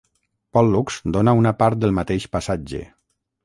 Pòl·lux dona una part del mateix passatge.